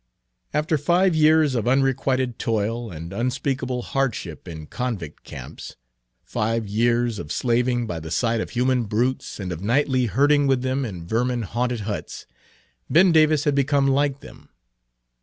After five years of unrequited toil, and unspeakable hardship in convict camps, five years of slaving by the side of human brutes, and of nightly herding with them in vermin haunted huts, Ben Davis had become like them.